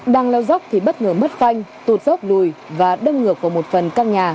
đang leo dốc thì bất ngờ mất phanh tụt dốc lùi và đâm ngược vào một phần căn nhà